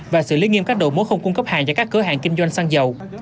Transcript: và xử lý nghiêm các đồ mối không cung cấp hàng cho các cửa hàng kinh doanh xăng dầu